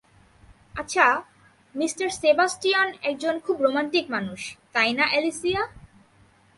আচ্ছা, mister Sebastian একজন খুব রোমান্টিক মানুষ, তাই না, অ্যালিসিয়া?